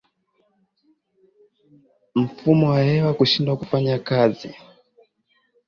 Mfumo wa hewa kushindwa kufanya kazi